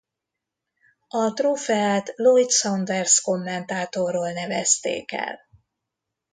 A trófeát Lloyd Saunders kommentátorról nevezték el.